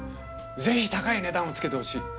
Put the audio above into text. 是非高い値段を付けてほしい。